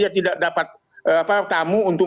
tidak dapat tamu untuk